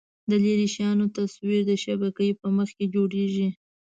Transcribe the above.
د لیرې شیانو تصویر د شبکیې په مخ کې جوړېږي.